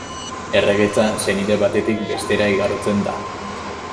Erregetza senide batetik bestera igarotzen da.